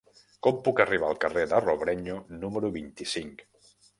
Com puc arribar al carrer de Robrenyo número vint-i-cinc?